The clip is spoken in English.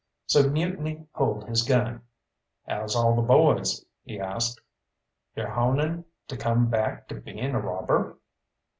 So Mutiny pulled his gun. "How's all the boys?" he asked. "You're honing to come back to being a robber?"